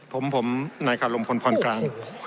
ผมผมนายค่ะลงพลพลกลาง